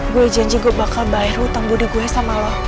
gue janji gue bakal bayar lo utang budi gue sama lo